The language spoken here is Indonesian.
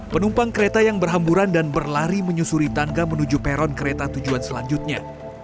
penumpang kereta yang berhamburan dan berlari menyusuri tangga menuju peron kereta tujuan selanjutnya